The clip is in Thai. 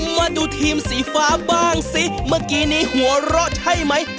มาดูทีมสีฟ้าบ้างสิเมื่อกี้นี้หัวเราะใช่ไหม